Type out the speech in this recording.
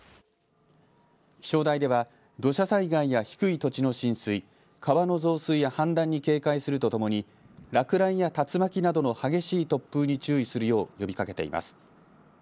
気象台では土砂災害や低い土地の浸水、川の増水や氾濫に警戒するとともに落雷や竜巻などの激しい突風に注意するよう呼びかけています。